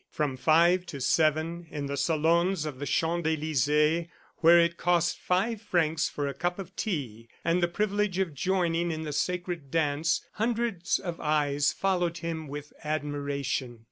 ... From five to seven, in the salons of the Champs d'Elysees where it cost five francs for a cup of tea and the privilege of joining in the sacred dance, hundreds of eyes followed him with admiration.